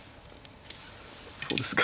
そうですか。